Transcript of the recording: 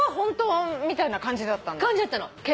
感じだったの。